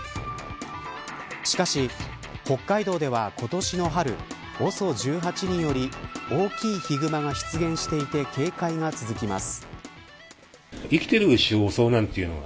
しかし、北海道では今年の春、ＯＳＯ１８により大きいヒグマが出現していて警戒が続きます。